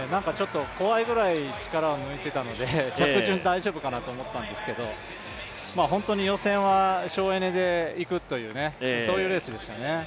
怖いぐらい力を抜いてたので着順、大丈夫かなとは思ったんですが本当に予選は省エネでいくというそういうレースでしたね。